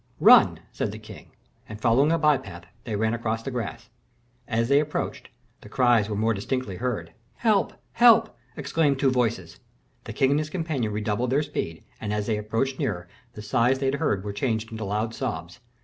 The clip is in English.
"Run," said the king; and, following a by path, they ran across the grass. As they approached, the cries were more distinctly heard. "Help, help," exclaimed two voices. The king and his companion redoubled their speed, and, as they approached nearer, the sighs they had heard were changed into loud sobs.